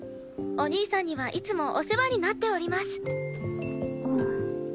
お兄さんにはいつもお世話になっております。